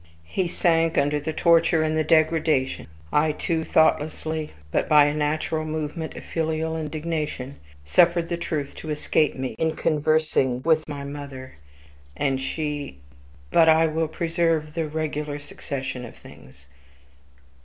"He sank under the torture and the degradation. I, too, thoughtlessly, but by a natural movement of filial indignation, suffered the truth to escape me in conversing with my mother. And she ;but I will preserve the regular succession of things.